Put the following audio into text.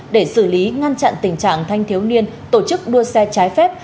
để xử lý ngăn chặn tình trạng thanh thiếu niên tổ chức đua xe trái phép